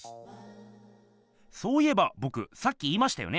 そういえばぼくさっき言いましたよね。